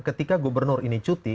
ketika gubernur ini cuti